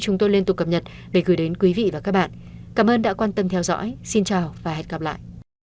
cảm ơn các bạn đã theo dõi và hẹn gặp lại